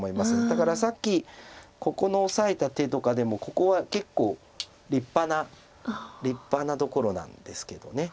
だからさっきここのオサえた手とかでもここは結構立派なところなんですけど。